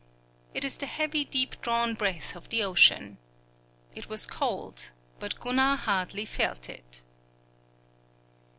It is the heavy deep drawn breath of the ocean. It was cold, but Gunnar hardly felt it.